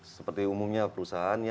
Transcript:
seperti umumnya perusahaan